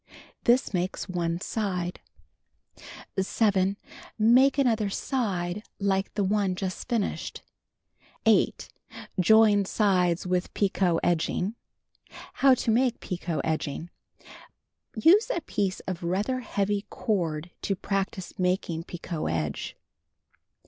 This makes one side. 7. Make another side like the one just finished. 8. Join sides with picot edging. FRONT, .SHOWING FLAPS HOW TO MAKE PICOT EDGING Use a piece of rather heavy cord to practice making picot (peko) edge.